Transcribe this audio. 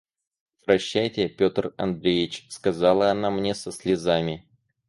«Прощайте, Петр Андреич! – сказала она мне со слезами.